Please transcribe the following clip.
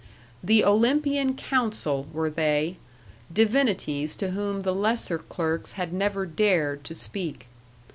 The Olympian council were they; divinities to whom the lesser clerks had never dared to speak.